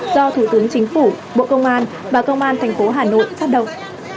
do thủ tướng chính phủ bộ công an và công an thành phố hà nội phát động